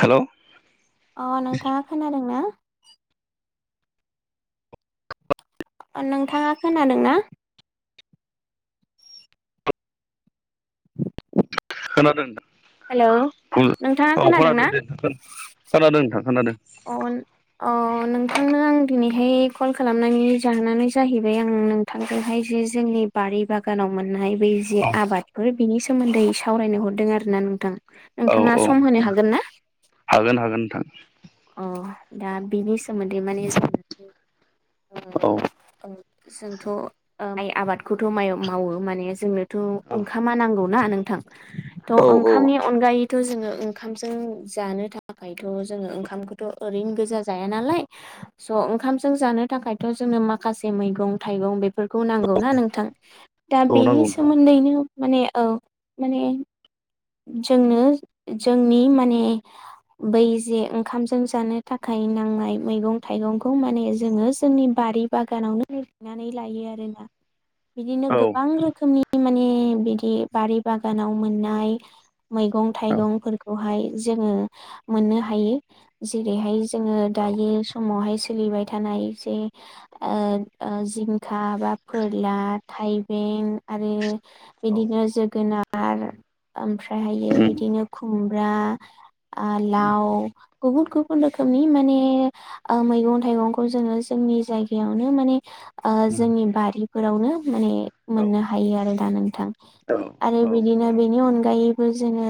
हेल' अ नोंथाङा खोनादों ना नोंथाङा खोनादोंना [inaudible] खोनादों हेलौ नोंथाङा नोंथां औ ना खोनादों दे खोनादों नोंथां खोनादों [unintelligible] अन अ नोंथांनो आं दिनैहाय कल खालामनानै जाहोनानै जाहैबाय आं नों थांदोंहाय जे जोंनि बारि बागानाव मोननाय बे जे औ आबादफोर बिनि सोमोन्दै सावरायनो हरदों आरो ना नोंथां औ नोंथाङा औ सम होनो हागोन ना हागोन हागोन नोंथां अ दा बिनि सोमोन्दै माने जों औ जोंथ' माइ आबादखौथ' मावो माने जोंनोथ' औ ओंखामा नांगौ ना नोंथां औ थ' औ ओंखामनि अनगायै थ' जोङो ओंखामजों जानो थाखायथ' जोङो ओंखामखौथ' ओरैनो गोजा जाया नालाय स'ओंखामजों जानो थाखायथ' जोंङनो माखासे मैगं थाइगं बे बेफोरखौ नांगौना नोंथां दा औ बेनि नांगौ नोंथां सोमोन्दैनो माने ओ माने जोंनो जोंनि माने बै जे ओंखामजों जानो थाखाय नांनाय मैगं थाइगंखौ माने जोङो जोंनि बारि बागानावनो बुथुमनानै लायो आरो ना बिदिनो औ गोबां रोखोमनि माने बिदि बारि बागानाव मोननाय मैगं औ थाइगंफोरखौहाय जोङो मोननो हायो जेरैहाय जोङो औ दायो समावहाय सोलिबाय थानाय जे ओ ओ जि खा बा फोरला थाइबें आरो बिदिनो जोगोना नार ओमफ्रायहायो उम बिदिनो खुमब्रा ओ उम लाव गुबुन गुबुन रोखोमनि माने ओ मैगं थाइगंखौ जोङो जोंनि जायगायावनो माने ओ औ जोंनि बारिफोरावनो माने मोननो औ हायो आरो दा नोंथां औ आरो बिदिनो बेनि अन गायैबो जोङो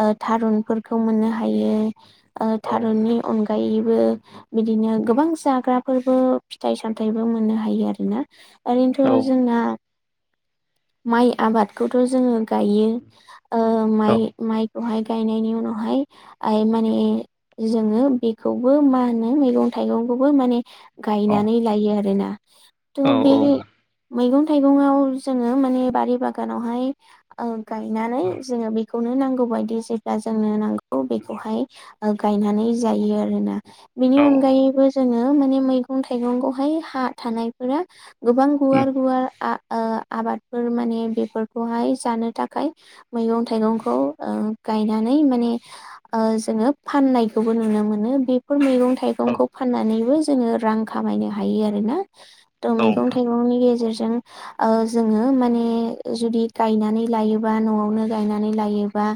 ओ थारुनफोरखौ मोननो हायो उम ओ औ नोंथां औ थारुननि अनगायैबो बिदिनो गोबां जाग्राफोरबो फिथाइ सामथायाइबो मोननो हायो आरोना ओरैनोथ' जोंना माइ आबादखौथ' जोङो गायो ओ माइ माइखौहाय गायनायनि उनावहाय आइ माने जोङो बेखौबो मा होनो मैगं थाइगंखौबो माने गायनानै लायो आरोना थ' बे उम मैगं थाइगंआव जोङो माने बारि बागानावहाय औ गायनानै जोङो बेखौनो नांगौबायायदि जेब्ला जोंनो नांगौ बेखौहाय गायनानै जायो आरोना औ बेनि औ अनगायैबो जोङो माने मैगं थाइगंखौहाय हा थानाय मोनो गोबां गुवार औ गुवार आ ओ आबादफोर माने बेफोरखौहाय जानो थाखाय मैगं थाइगंखौ ओ गायनानै माने ओ जोङो फाननायखौबो नुनो मोनो बेफोर मैगं थाइगंखौ औ फाननानैबो जोङो रां खामायनो हायो आरोना थ' मैगं थाइगं गंनि गेजेरजों ओ जोङो माने जुदि गायनानै लायोबा न'आवनो गायनानै लायोबा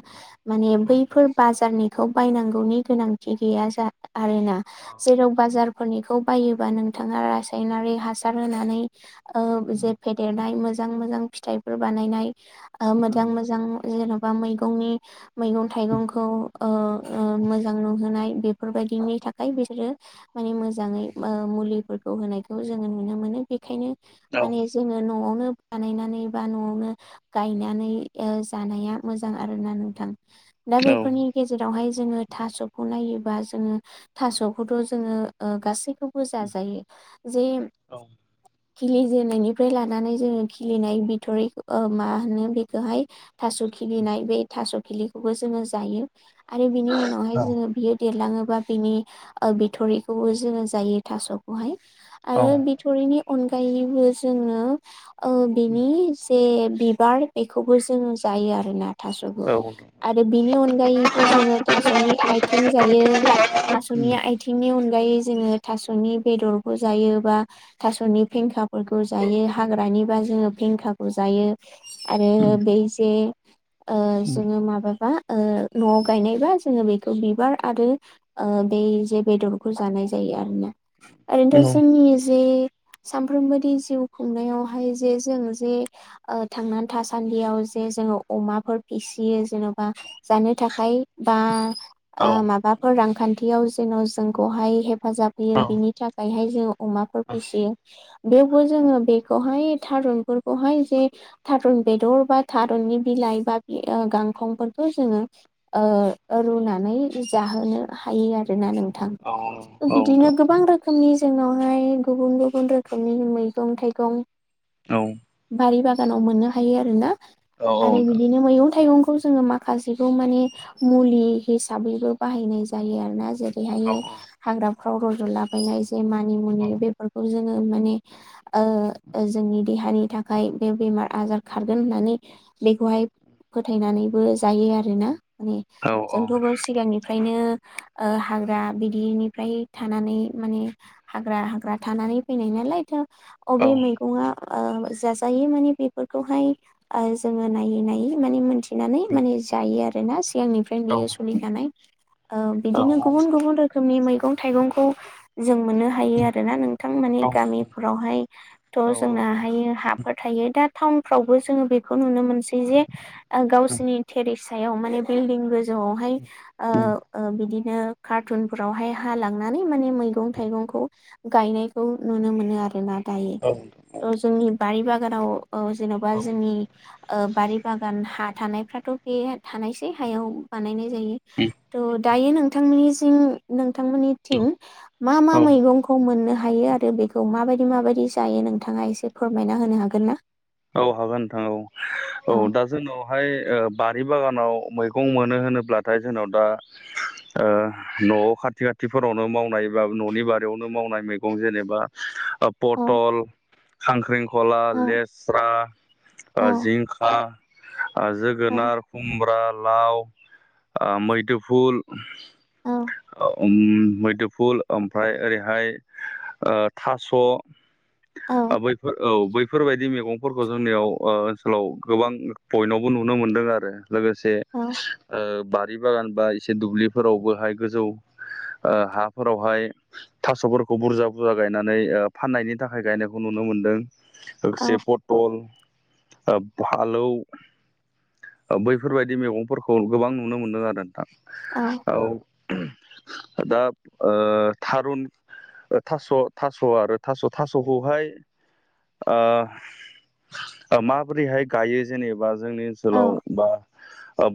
माने बैफोर बाजारनिखौ बायनांगौनि गोनांथि गैया जा आरोना जेराव बाजारफोरनिखौ बायोबा नोंथाङा रासायनारि हासार होनानै ओ जे औ फेदेरनाय मोजां मोजां फिथाइफोर बानायनाय ओ मोजां मोजां जेन'बा मैगंनि मैगं थाइगंखौ ओ ओ मोजां नुहोनाय बेफोरबायदिनि थाखाय बिसोरो माने मोजाङै ओ मुलिफोरखौ होनायखौ जोङो नुनो मोनो बेखायनो माने जोङो न'आवनो बानायनानै बा न'आवनो गायनानै ओस जानाया मोजां आरोना नोंथां दा बेफोरनि गेजेरावहाय जोङो थास'खौ नायोबा जोङो थास'खौथ' जोङो ओ गासैखौ बो औ जाजायो जे खिलिजेननायनिफ्राय लानानै जोङो खिलिनाय बिथ'रि ओ मा होनो बेखौहाय थास' खिलिनाय बे थास' खिलिखौबो जोङो जायो आरो बिनि उनावहाय जोङो बियो देरलाङोबा बिनि ओ बिथ'रिखौबो जोङो जायो थास'खौहाय औ थ'रिनि अनगायैबो जोङो ओ बेनि जे बिबार बेखौबो जोङो जायो आरोना थास'खौ औ आरो बिनि अनगायैबो जोङो थास'नि आथिं जायो उम थास'नि आ थिंनि अनगायै जोङो थास'नि बेदरखौ जायो बा थास'नि फेंखाफोरखौ जायो हाग्रानिबा जोङो फेंखा खौ जायो आरो उम बै जे ओ जोङो माबाबा ओ न'आव गायनायबा जोङो बेखौ बिबार आरो ओ बै जे बेदरखौ जानाय जायो आरोना ओरैनोथ' उम जोंनि जे सानफ्रोमबोदि जिउ खुंनायावहाय जे जों जे ओ थांनानै थासान्दियाव जे जोङो अमाफोर फिसियो जेन'बा जानो थाखाय बा औ ओ माबा फोर रांखान्थियाव जेन' जोंखौहाय हेफाजाब औ होयो बिनि थाखायहाय जों अमाफोर फिसियो बेवबो जोङो बेखौहाय थारुनफोरखौहाय जे थारुन बेदर बा थारुननि बिलाइ बा गांखंफोरखौ जोङो ओ रुनानै जाहोनो हायो आरोना नों थां औ नोंथां बिदिनो गोबां रोखोम रोखोमनि जोंनावहाय गुबुन गुबुन रोखोमनि मैगं थाइगं। औ बारि बागानाव मोननो हायो आरो ना औ आरो नोंथां बिदिनो मैगं थाइगंखौ जोङो मा खासेखौ माने मुलि हिसाबैबो बाहायनाय जायो आरो ना औ जेरैहायो हाग्राफ्राव रज'लाबायनाय जे मानि मुनि बेफोरखौ जोङो माने ओ जोंनि देहानि थाखाय बे बेमार आजार खारगोन होननानै बेखौहाय फोथायनानैबो जायो आरोना माने औ जोंथ'बो सिगांनि फ्रायनो ओ हाग्रा बिदिनिफ्राय थानानै माने हाग्रा हाग्रा थानानै फैनाय नालायथ' अबे मैगङा ओ जाजायो माने बेफोरखौहाय ओ जोङो नायै नायै माने मोनथिनानै माने जायो आरो ना सिगांनिफ्रायनो बियो सोलि [unintelligible] ओ बिदिनो गुबन गुबन रोखोमनि मैंगं थाइगंखौ जों मोननो हायो आरोना नोंथां मानि गामि फोरावहाय थ' जोंनाहायो हाफोर थायो दा टाउनफ्रावबो जोङो बेखौ नुनो मोन जे गावसिरनि थेरेसायाव माने बिलडिं गोजौआवहाय ओ बिदिनो कारटुनफोरावहाय हा लांनानै माने मैगं थाइगंखौ गायनायखौ नुनो मोनो आरो ना दायो। औ औ जोंनि बारि बागानाव औ जेनेबा जोंनि ओ बारि बागान हा थानायफ्राथ' बे थानायसै हायाव बानायनाय थ' दायो नोंथांनिसिम नोंथांमोननिथिं मा मा औ मैगं खौ मोननो हायो आरो बेखौ माबायदि माबायदि जायो नोंथाङा एसे फोरमायना होनो हागोन ना? औ हागोन नोंथां औ औ दा जोंनावहाय ओ बारि बागानाव मैगं मोनो होनोब्लाथाय जोंनाव दा ओ न'आव खाथि खाथिफोरावनो मावनाय बा न'नि बारियावनो मावनाय मै गं जेनेबा ओ औ पथल खांख्रिंखला औ लेस्रा ओ औ जिंखा [unintelligible] जोगोनार खुमब्रा लाव मैदोफुल औ [unintelligible] मैदोफुल ओमफ्राय ओरैहाय ओ थास' ओ बैफोर औ बैफोरबायदि मैगं फोरखौ जोंनियाव ओ ओनसोलाव गोबां बयनावबो नुनो मोनदों आरो लोगोसे औ ओ बा रि बागान बा एसे दुब्लिफोरावबोहाय गोजौ ओ हाफोरावहाय थास'फोरखौ बुरजा बुरजा गायनानै ओ फाननायनि थाखाय गायनायखौ नुनो मोनदों। औ लोगोसे पटल ओ फालौ ओ बैफोरबायदि मैगंफोरखौ गोबां नुनो मोनदों आरो नोंथां औ दा ओ थारुन ओ थास' थास' आरो थास' थास'खौहाय ओ ओ माबोरैहाय गायो जेनेबा जोंनि ओनसो औ लाव बा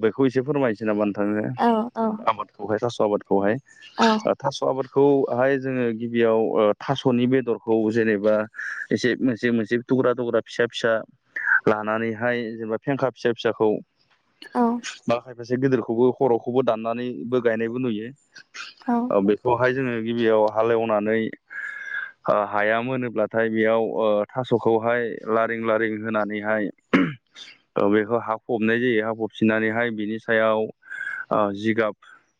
बेखौ एसे फोरमायनोसै नामा नोंथां नोंथांनो [unintelligible] खौहाय थास' आबादखौहाय औ ओ थास' आबादखौहाय जोङो गिबियाव थास'नि बेदरखौ जेनेबा एसे मोनसे मोनसे थुग्रा थुग्रा फिसा फिसा लानानैहाय जेनेबा फेंखा फिसा फिसाखौ बा खाफासे गिदिरखौबो खर'खौबो दाननानैबो गायनायबो नुयो। औ ओ बेखौहाय जोङो गिबियाव हालेवनानै ओ हाया मोनोब्लाथाय बेयाव ओ थास'खौहाय लारिें लारिं होनानैहाय बेखौ हा फबनाय जायो हा फबसिननानैहाय बिनि सायाव ओ जिगाब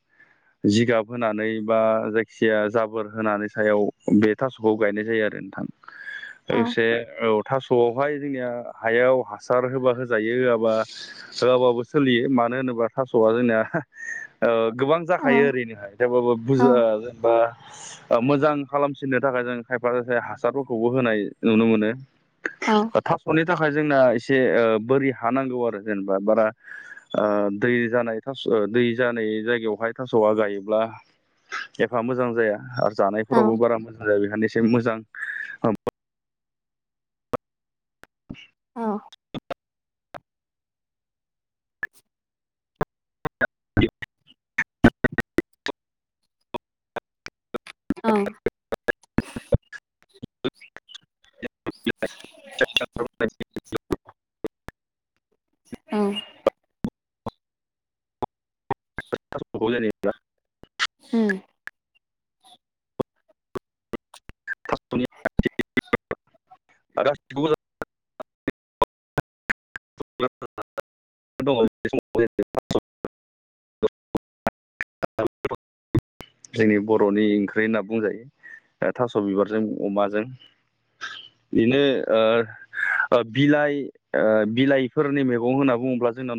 [inaudible] जिगाब होनानै बा जायखिजाया जाबोर होनानै सायाव बे थास'खौ गायनाय जायो आरो नोंथां। ओसे औ। बावहाय जोंनिया हायाव हासार होबा होजायो होआबा होआबाबो सोलियो मानो होनोब्ला थास'आ जोंना गोबां औ जाखायो ओरैनोहाय थेवबाबो औ बुजा बा ओ मोजां खालामसिननो थाखाय जों खायफा खायफाया हासारफोरखौबो होनाय नुनो मोनो। औ थास'नि थाखाय जोंना एसे ओ बोरि हानांगौ आरो जेनेबा बारा ओ दै जानाय थास' दै जानाय जायगायावहाय थास'आ गायोब्ला एफा मोजां जाया आरो जानायफोरावबो बारा मोजां जाया बेखायनो एसे मोजां [unintelligible] औ। [unintelligible] द औ। औ। [unintelligible] [unintelligible] थास'नि [inaudible] [inaudible] ज जोंनि बर'नि ओंख्रि होनना बुंजायो। ओ थास' बिबारजों अमाजों। बिनो ओ ओ बिलाइ ओ बिलाइ फोरनि मैगं होनना बुङोब्ला जोंना